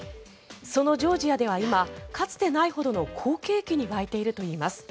そのジョージアでは今かつてないほどの好景気に沸いているといいます。